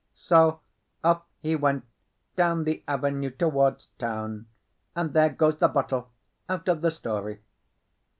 So off he went down the avenue towards town, and there goes the bottle out of the story.